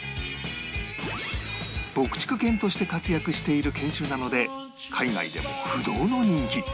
牧畜犬として活躍している犬種なので海外でも不動の人気